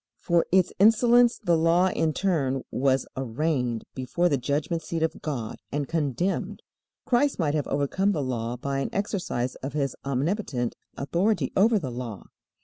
For its insolence the Law in turn was arraigned before the judgment seat of God and condemned. Christ might have overcome the Law by an exercise of His omnipotent authority over the Law.